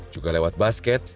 juga lewat basket